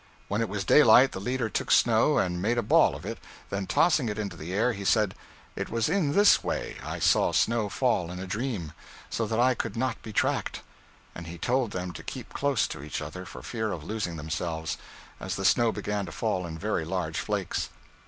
When it was daylight, the leader took snow and made a ball of it, then tossing it into the air, he said: 'It was in this way I saw snow fall in a dream, so that I could not be tracked.' And he told them to keep close to each other for fear of losing themselves, as the snow began to fall in very large flakes.